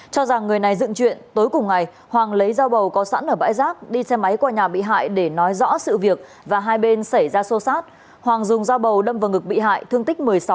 cho rằng người này dựng chuyện tối cùng ngày hoàng lấy giao bầu có sẵn ở bãi rác đi xe máy qua nhà bị hại để nói rõ sự việc và hai bên xảy ra xô xát